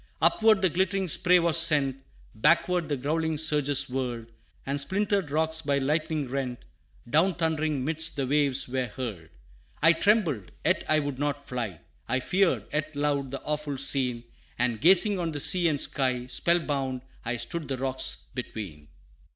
Upward the glittering spray was sent, Backward the growling surges whirled, And splintered rocks by lightnings rent, Down thundering midst the waves were hurled. I trembled, yet I would not fly; I feared, yet loved, the awful scene; And gazing on the sea and sky, Spell bound I stood the rocks between.